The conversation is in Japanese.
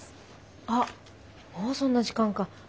あっもうそんな時間か。